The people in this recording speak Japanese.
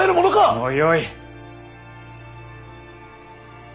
もうよい。